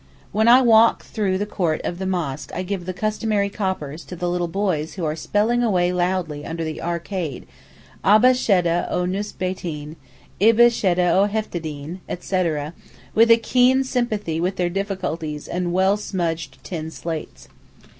When I walk through the court of the mosque I give the customary coppers to the little boys who are spelling away loudly under the arcade, Abba sheddeh o nusbeyteen, Ibbi sheddeh o heftedeen, etc., with a keen sympathy with their difficulties and well smudged tin slates.